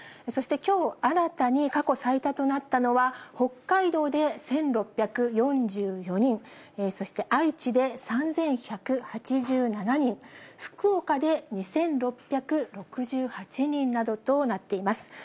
そしてきょう新たに過去最多となったのは、北海道で１６４４人、そして愛知で３１８７人、福岡で２６６８人などとなっています。